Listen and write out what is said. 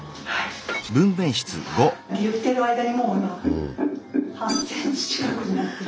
言っている間にもう今８ｃｍ近くになってる。